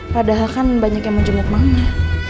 padahal kan banyak yang menjemput mama